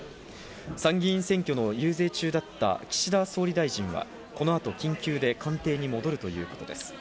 参議院選挙に遊説中だった岸田総理大臣をこの後、緊急で官邸に戻るということです。